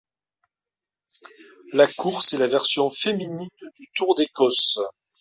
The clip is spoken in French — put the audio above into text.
La course est la version féminine du Tour d'Écosse.